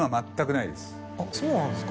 そうなんですか。